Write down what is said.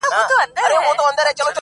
پيشو پوه سول چي موږك جنگ ته تيار دئ-